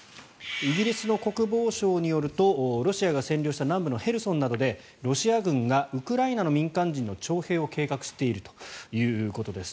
イギリスの国防省によるとロシアが占領した南部のヘルソンなどでロシア軍がウクライナの民間人の徴兵を計画しているということです。